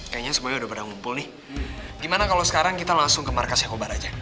kayanya sebuahnya udah pada ngumpul nih gimana kalo sekarang kita langsung ke markas yang kobar aja